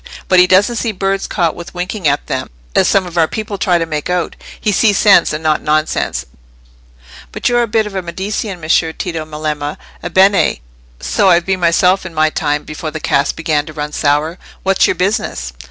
But he doesn't see birds caught with winking at them, as some of our people try to make out. He sees sense, and not nonsense. But you're a bit of a Medicean, Messer Tito Melema. Ebbene! so I've been myself in my time, before the cask began to run sour. What's your business?"